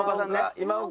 今岡。